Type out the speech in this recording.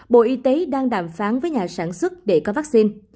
bộ y tế đang đàm phán với nhà sản xuất để có vaccine